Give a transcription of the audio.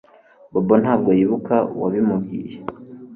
Bobo ntabwo yibuka uwabimubwiye